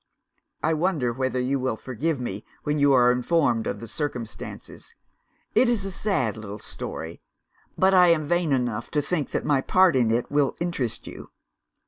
"I wonder whether you will forgive me, when you are informed of the circumstances? It is a sad little story; but I am vain enough to think that my part in it will interest you.